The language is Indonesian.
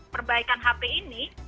perbaikan hp ini